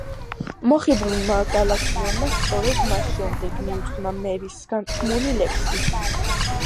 მოხიბლულმა გალაკტიონმა სწორედ მას შემდეგ მიუძღვნა მერის განთქმული ლექსი.